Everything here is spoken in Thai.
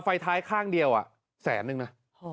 ไฟท้ายข้างเดียวแสนนึงนะ